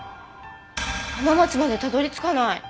浜松までたどり着かない。